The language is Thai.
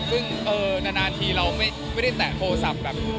ซึ่งนานทีเราไม่ได้แตะโทรศัพท์แบบ